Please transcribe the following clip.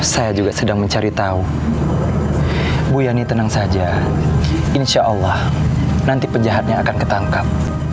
saya juga sedang mencari tahu bu yani tenang saja insya allah nanti penjahatnya akan ketangkap